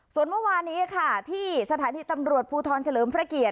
ส่วนเมื่อวานี้ค่ะที่สถานีตำรวจภูทรเฉลิมพระเกียรติ